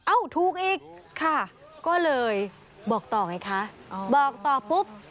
ถูกอีกค่ะก็เลยบอกต่อไงคะบอกต่อปุ๊บ